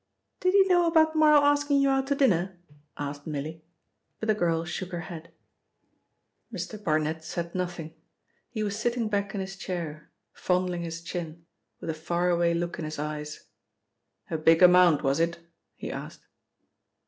'" "Did he know about Marl asking you out to dinner?" asked Milly, but the girl shook her head. Mr. Barnet said nothing. He was sitting back in his chair, fondling his chin, with a faraway look in his eyes. "A big amount, was it?" he asked.